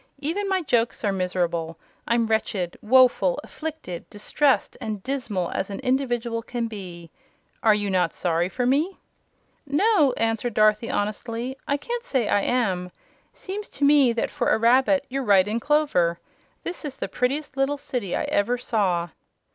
"Even my jokes are miserable. I'm wretched, woeful, afflicted, distressed and dismal as an individual can be. Are you not sorry for me?" "No," answered Dorothy, honestly, "I can't say I am. Seems to me that for a rabbit you're right in clover. This is the prettiest little city I ever saw."